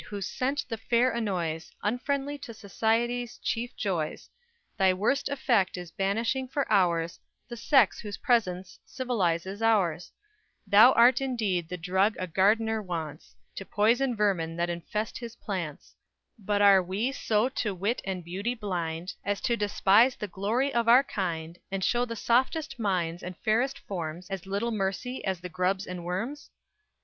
whose scent the fair annoys, Unfriendly to society's chief joys, Thy worst effect is banishing for hours The sex whose presence civilizes ours; Thou art indeed the drug a gardener wants, To poison vermin that infest his plants, But are we so to wit and beauty blind, As to despise the glory of our kind, And show the softest minds and fairest forms As little mercy as the grubs and worms?